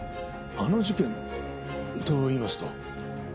あの事件といいますと？